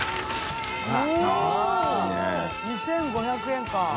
２５００円か。